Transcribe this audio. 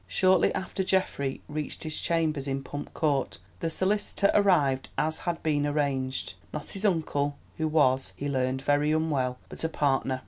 Shortly after Geoffrey reached his chambers in Pump Court the solicitor arrived as had been arranged, not his uncle—who was, he learned, very unwell—but a partner.